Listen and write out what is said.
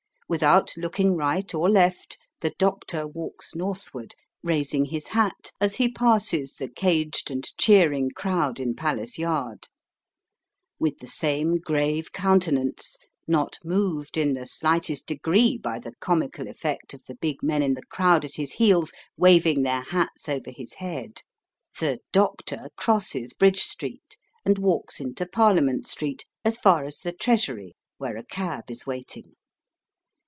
Without looking right or left, the "Doctor" walks northward, raising his hat as he passes the caged and cheering crowd in Palace Yard. With the same grave countenance, not moved in the slightest degree by the comical effect of the big men in the crowd at his heels waving their hats over his head, the "Doctor" crosses Bridge Street, and walks into Parliament Street, as far as the Treasury, where a cab is waiting.